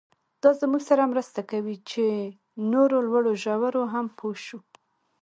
دا زموږ سره مرسته کوي چې نورو لوړو ژورو هم پوه شو.